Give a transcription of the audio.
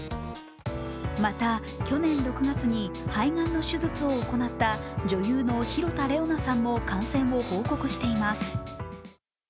また、去年６月に肺がんの手術を行った女優の広田レオナさんも感染を報告しています。